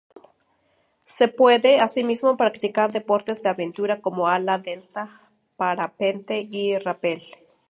Se puede, asimismo, practicar deportes de aventura como ala delta, parapente y rápel.